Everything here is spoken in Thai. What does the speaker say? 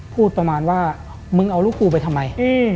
พูดประมาณว่ามึงเอาลูกกูไปทำไม